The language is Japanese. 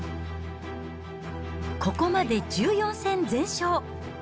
ここまで１４戦全勝。